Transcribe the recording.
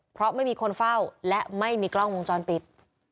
เพราะไม่มีคนเฝ้าและไม่มีกล้องวงจรปิด